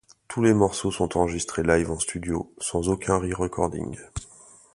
Tous les morceaux sont enregistrés live en studio, sans aucun re-recording.